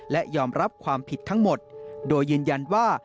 และยอมรับความผิดทั้งหมดโดยยืนยันว่า